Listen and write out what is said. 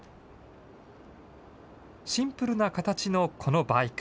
シンプルな形のこのバイク。